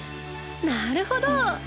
なるほど。